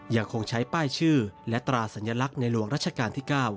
ยังคงใช้ป้ายชื่อและตราสัญลักษณ์ในหลวงรัชกาลที่๙